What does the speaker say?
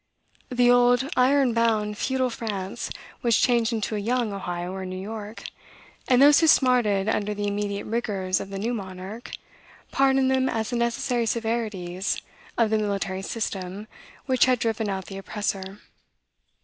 The old, iron bound, feudal France was changed into a young Ohio or New York; and those who smarted under the immediate rigors of the new monarch, pardoned them as the necessary severities of the military system which had driven out the oppressor.